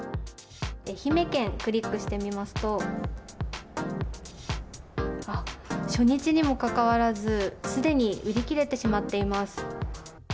愛媛県をクリックしてみますと初日にもかかわらずすでに売り切れてしまっています。